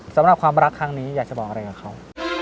สำหรับความรักครั้งนี้อยากจะบอกอะไรกับเขา